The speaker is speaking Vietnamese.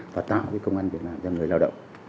và tạo công an việc làm cho người lao động